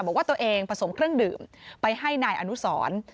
บอกว่าตัวเองผสมเครื่องดื่มไปให้นายอนุสร